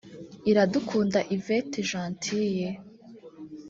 Iradukunda Hyvette Gentille